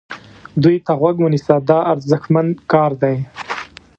دوی ته غوږ ونیسه دا ارزښتمن کار دی.